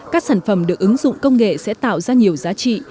các sản phẩm được ứng dụng công nghệ sẽ tạo ra nhiều giá trị